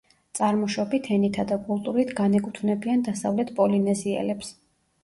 წარმოშობით, ენითა და კულტურით განეკუთვნებიან დასავლეთ პოლინეზიელებს.